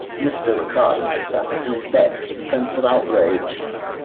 Mr. Ricardo sat up in his bed with a sense of outrage.